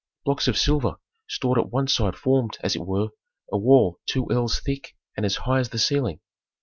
Blocks of silver stored at one side formed, as it were, a wall two ells thick and as high as the ceiling.